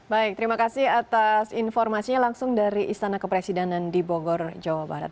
baik terima kasih atas informasinya langsung dari istana kepresidenan di bogor jawa barat